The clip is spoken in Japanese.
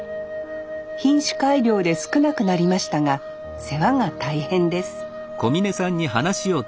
品種改良で少なくなりましたが世話が大変です